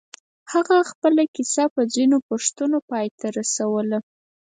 هغه خپله کيسه په ځينو پوښتنو پای ته ورسوله.